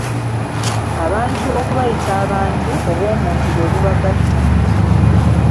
Abantu okubayita abantu, obwomuntu bwe bubagatta.